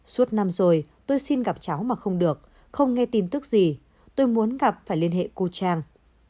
suốt năm rồi tôi xin gặp cháu mà không được không nghe tin tức gì tôi muốn gặp phải liên hệ cô trang